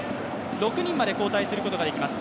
６人まで交代することができます。